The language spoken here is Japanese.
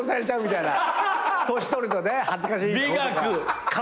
年取るとね恥ずかしい顔とか。